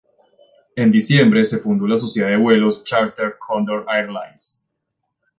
En diciembre se fundó la sociedad de vuelos chárter Cóndor Airlines.